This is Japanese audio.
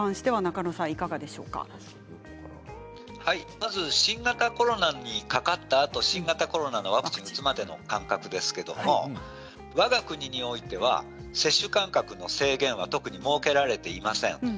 まず新型コロナにかかったあと新型コロナのワクチンを打つまでの間隔はわが国においては接種間隔の制限は特に設けられていません。